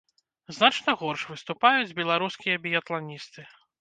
Значна горш выступаюць беларускія біятланісты.